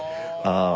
ああ。